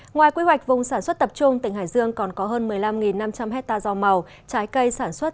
ngoài quy hoạch vùng sản xuất tập trung tỉnh hải dương còn có hơn một mươi năm năm trăm linh hectare rau màu trái cây sản xuất